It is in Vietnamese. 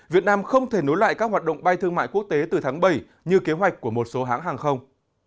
việt nam không thể nối lại các hoạt động bay thương mại quốc tế từ tháng bảy như kế hoạch của một số hãng hàng không